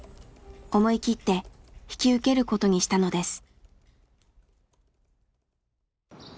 思い切って引き受けることにしたのです。